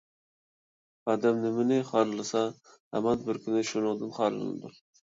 ئادەم نېمىنى خارلىسا ھامان بىر كۈنى شۇنىڭدىن خارلىنىدۇ.